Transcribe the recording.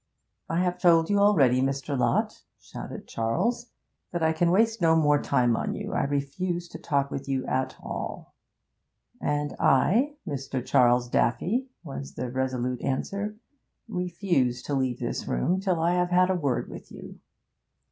'I have told you already, Mr. Lott,' shouted Charles, 'that I can waste no more time on you. I refuse to talk with you at all.' 'And I, Mr. Charles Daffy,' was the resolute answer, 'refuse to leave this room till I have had a word with you.'